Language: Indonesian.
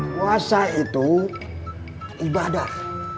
puasa itu ibadah